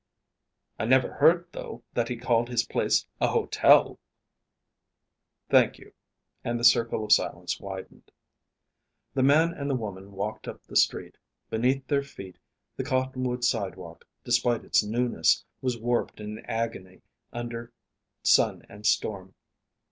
"I never heard, though, that he called his place a hotel!" "Thank you," and the circle of silence widened. The man and the woman walked up the street. Beneath their feet the cottonwood sidewalk, despite its newness, was warped in agony under sun and storm.